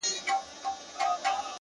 هره تجربه د فکر نوی رنګ دی،